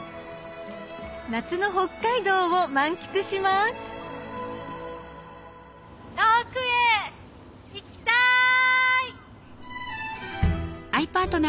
夏の北海道を満喫します遠くへ行きたい！